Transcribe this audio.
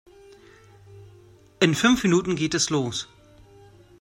In fünf Minuten geht es los.